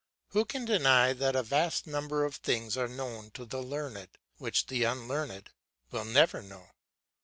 Who can deny that a vast number of things are known to the learned, which the unlearned will never know?